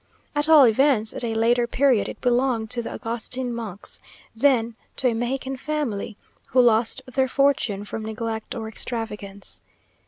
At all events, at a later period it belonged to the Augustine monks, then to a Mexican family, who lost their fortune from neglect or extravagance.